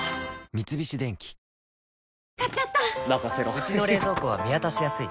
うちの冷蔵庫は見渡しやすい